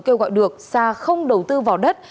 kêu gọi được xa không đầu tư vào đất